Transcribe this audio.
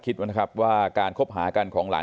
มีงานมีการคือไปมาหาสู่กันปกติ